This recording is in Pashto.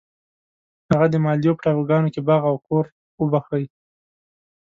هغه د مالدیو په ټاپوګانو کې باغ او کور وبخښی.